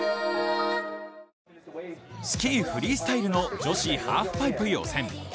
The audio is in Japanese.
スキー・フリースタイルの女子ハーフパイプ予選。